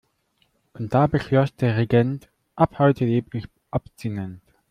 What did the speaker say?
Und da beschloss der Regent: Ab heute lebe ich abstinent.